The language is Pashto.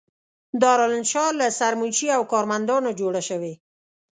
دارالانشأ له سرمنشي او کارمندانو جوړه شوې.